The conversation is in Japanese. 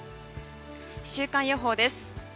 週間予報です。